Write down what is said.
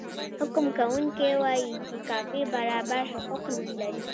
حکم کوونکی وايي چې کافر برابر حقوق نلري.